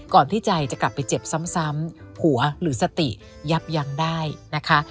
ที่ใจจะกลับไปเจ็บซ้ำผัวหรือสติยับยั้งได้นะคะ